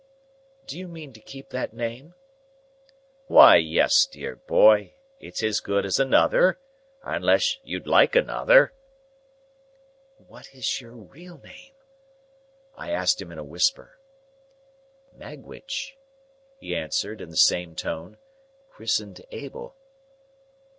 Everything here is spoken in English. "Do you mean to keep that name?" "Why, yes, dear boy, it's as good as another,—unless you'd like another." "What is your real name?" I asked him in a whisper. "Magwitch," he answered, in the same tone; "chrisen'd Abel."